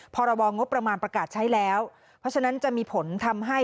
พรบงบประมาณประกาศใช้แล้วเพราะฉะนั้นจะมีผลทำให้